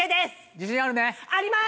自信あるね？あります！